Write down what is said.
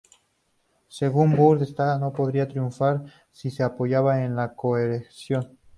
Según Bauer, esta no podría triunfar si se apoyaba en la coerción.